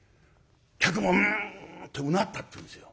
客も「うん」ってうなったっていうんですよ。